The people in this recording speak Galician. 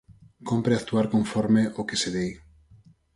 Cómpre actuar conforme ao que se di.